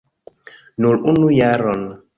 Nur unu jaron!